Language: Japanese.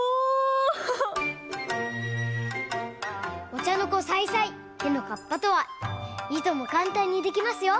「お茶の子さいさい屁の河童」とは「いともかんたんにできますよ」